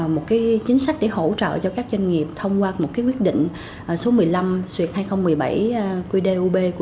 một chính sách để hỗ trợ cho các doanh nghiệp thông qua một quyết định số một mươi năm hai nghìn một mươi bảy qd ub của